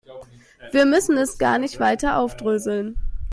Wir müssen es gar nicht weiter aufdröseln.